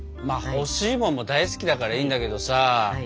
まあ干し芋も大好きだからいいんだけどさ。